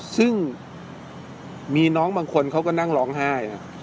ซึ่งมีน้องบางคนเขาก็นั่งร้องไห้